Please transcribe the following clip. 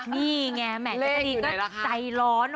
นี่ไงแม่จริงใจร้อน